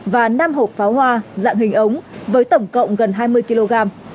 và năm hộp pháo hoa dạng hình ống với tổng cộng gần hai mươi kg